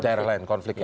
daerah lain konflik ya